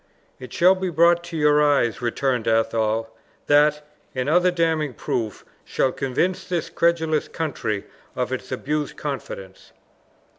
"It shall be brought to your eyes," returned Athol; "that, and other damning proofs, shall convince this credulous country of its abused confidence."